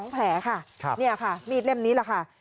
๒แผลค่ะนี่ค่ะมีดเล่มนี้แหละค่ะ